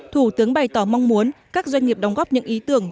thủ tướng bày tỏ mong muốn các doanh nghiệp đóng góp những ý tưởng